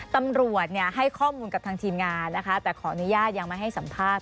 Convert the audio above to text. ตำรวจให้ข้อมูลกับทางทีมงานนะคะแต่ขออนุญาตยังไม่ให้สัมภาษณ